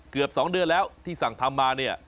เกือบ๒เดือนแล้วที่สั่งทำมาเนี่ย